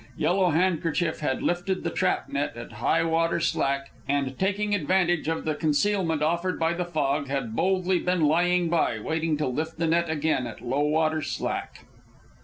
Yellow Handkerchief had lifted the trap net at high water slack, and, taking advantage of the concealment offered by the fog, had boldly been lying by, waiting to lift the net again at low water slack.